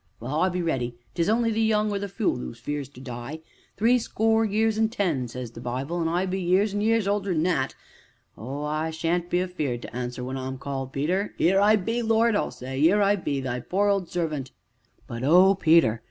Well, I be ready; 'tis only the young or the fule as fears to die. Threescore years an' ten, says the Bible, an' I be years an' years older than that. Oh! I shan't be afeared to answer when I'm called, Peter. ''Ere I be, Lord!' I'll say. ''Ere I be, thy poor old servant' but oh, Peter!